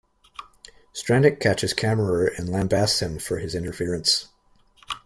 Strannik catches Kammerer and lambastes him for his interference.